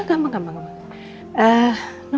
nno kok kamu gak bilang sih kalau ada elsa di sini